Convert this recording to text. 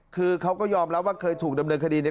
คือเขาก็ยอมรับว่าเคยถูกดำเนินคดีใน